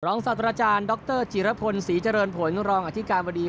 ศาสตราจารย์ดรจิรพลศรีเจริญผลรองอธิการบดี